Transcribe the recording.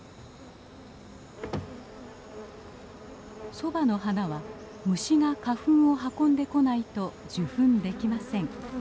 ソバの花は虫が花粉を運んでこないと受粉できません。